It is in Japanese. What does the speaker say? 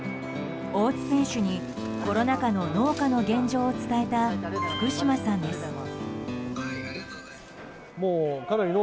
大津選手にコロナ禍の農家の現状を伝えた福島さんです。